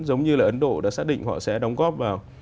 giống như là ấn độ đã xác định họ sẽ đóng góp vào